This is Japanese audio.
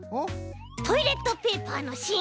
トイレットペーパーのしん。